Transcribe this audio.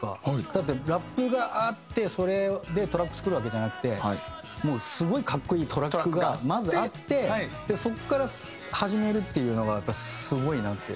だってラップがあってそれでトラック作るわけじゃなくてもうすごい格好いいトラックがまずあってそこから始めるっていうのがやっぱりすごいなって。